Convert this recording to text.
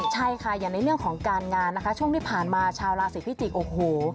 ใช่ค่ะอย่างในเรื่องของการงานนะคะช่วงที่ผ่านมาชาวราศีพิจิกษ์โอ้โห